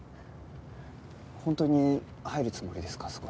本当に入るつもりですか？